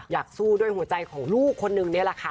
อยากสู้ด้วยหัวใจของลูกคนนึงนี่แหละค่ะ